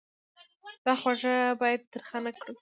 دا خوږه باید تریخه نه کړو.